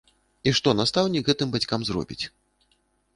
І што настаўнік гэтым бацькам зробіць?